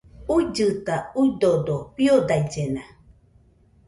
Uillɨta, uidodo fiodaillena